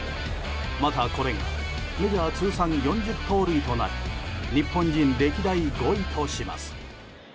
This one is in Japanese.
また、これがメジャー通算４０盗塁となり日本人歴代５位とします。